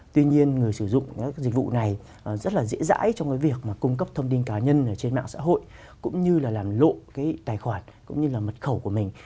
tuy nhiên người sử dụng các dịch vụ này rất là dễ dãi trong cái việc mà cung cấp thông tin cá nhân trên mạng xã hội cũng như là làm lộ cái tài khoản cũng như là mật khẩu của mình